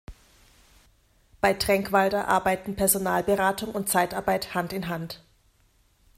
Bei Trenkwalder arbeiten Personalberatung und Zeitarbeit Hand in Hand.